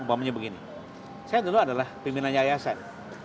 saya dulu adalah pimpinan yayasan